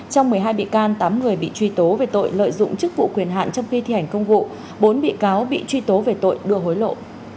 trong một mươi hai bị can tám người bị truy tố về tội lợi dụng chức vụ quyền hạn trong khi thi hành công vụ bốn bị cáo bị truy tố về tội đưa hối lộ